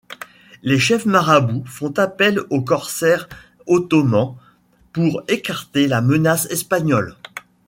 Les chefs marabouts font appel aux corsaires ottomans pour écarter la menace espagnole.